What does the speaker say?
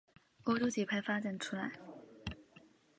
欧洲节拍发展出来。